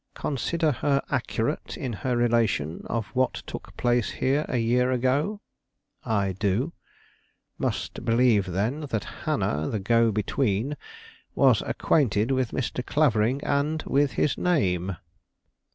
"Consider her accurate in her relation of what took place here a year ago?" "I do." "Must believe, then, that Hannah, the go between, was acquainted with Mr. Clavering and with his name?"